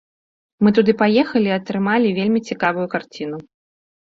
Мы туды паехалі і атрымалі вельмі цікавую карціну.